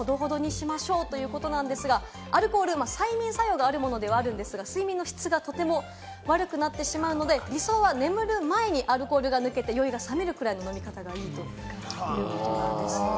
アルコール、催眠作用があるものではあるんですが、睡眠の質がとても悪くなってしまうので、理想は眠る前にアルコールが抜けて酔いがさめるくらいの飲み方がいいということです。